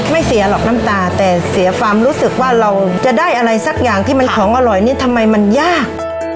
เสียหรอกน้ำตาแต่เสียความรู้สึกว่าเราจะได้อะไรสักอย่างที่มันของอร่อยนี่ทำไมมันยาก